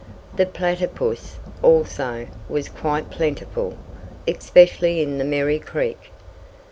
The platypus, also, was quite plentiful, especially in the Merri Creek.